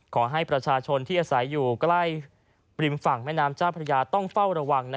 ขอให้ประชาชนที่อาศัยอยู่ใกล้ริมฝั่งแม่น้ำเจ้าพระยาต้องเฝ้าระวัง